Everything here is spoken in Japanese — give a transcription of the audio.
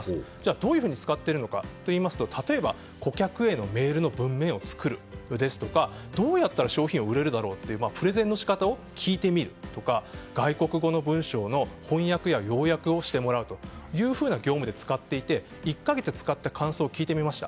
どう使っているのかというと例えば、顧客へのメールの文面を作るですとかどうやったら商品が売れるだろうというプレゼンの仕方を聞いてみるとか外国語の文章の翻訳や要約をしてもらうという業務で使っていて、１か月使った感想を聞いてみました。